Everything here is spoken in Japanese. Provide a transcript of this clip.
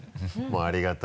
ありがたい。